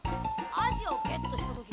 アジをゲットした時よ